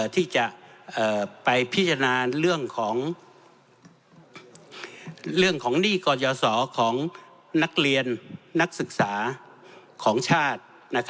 ที่จะไปพิจารณาเรื่องของเรื่องของหนี้กรยาศรของนักเรียนนักศึกษาของชาติ